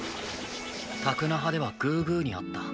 タクナハではグーグーに会った。